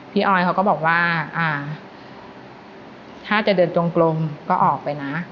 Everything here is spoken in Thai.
ออยเขาก็บอกว่าอ่าถ้าจะเดินตรงกลมก็ออกไปนะ